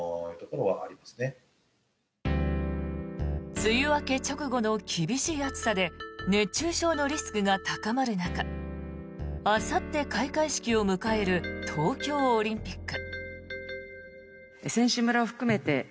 梅雨明け直後の厳しい暑さで熱中症のリスクが高まる中あさって開会式を迎える東京オリンピック。